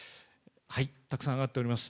たくさん挙がっております。